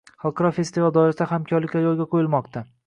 Xalqaro festival doirasida hamkorliklar yo‘lga qo‘yilmoqda